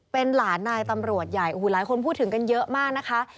เป็นหลานนายตำรวจใหญ่โอ้โหหลายคนพูดถึงกันเยอะมากนะคะ